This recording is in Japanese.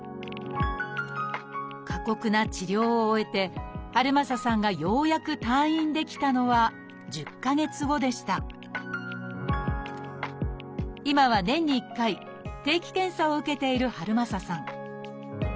過酷な治療を終えて遥政さんがようやく退院できたのは１０か月後でした今は年に１回定期検査を受けている遥政さん。